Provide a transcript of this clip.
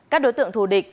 các đối tượng thù địch